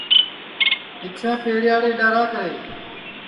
پِچھیں پیڑے یاڑے ڈؔراکرے